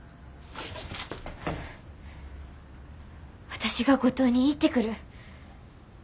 私が五島に行ってくる。